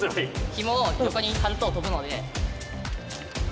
ひもを横に張ると飛ぶので。